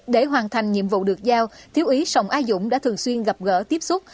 để hoàn thành nhiệm vụ được giao thiếu ý sông á dũng đã thường xuyên gặp gỡ tiếp xúc